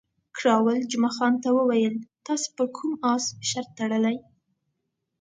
کراول جمعه خان ته وویل، تاسې پر کوم اس شرط تړلی؟